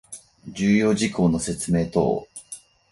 重要事項の説明等